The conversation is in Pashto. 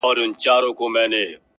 • يو دبل په غېږ اغوستي -